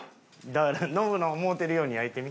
だからノブの思うてるように焼いてみ。